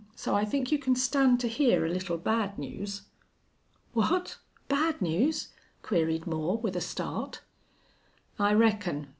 So I think you can stand to hear a little bad news." "What! Bad news?" queried Moore, with a start. "I reckon.